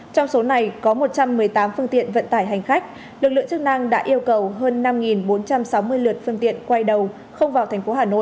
trong số này có một trăm một mươi tám phương tiện vận tải hành khách lực lượng chức năng đã yêu cầu hơn năm bốn trăm sáu mươi lượt phương tiện quay đầu không vào thành phố hà nội